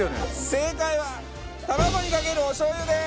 正解はたまごにかけるお醤油です！